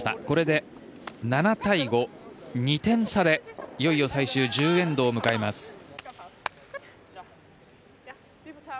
これで７対５、２点差でいよいよ最終１０エンドを迎えます。